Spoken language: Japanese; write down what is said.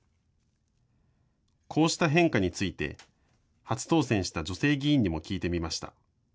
こうした変化について初当選した女性議員にも聞いてみました。